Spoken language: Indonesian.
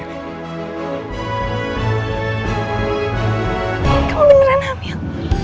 kamu beneran hamil